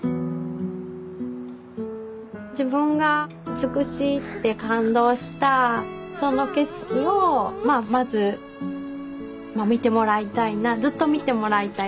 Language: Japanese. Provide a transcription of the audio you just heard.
自分が美しいって感動したその景色をまあまず見てもらいたいなずっと見てもらいたい。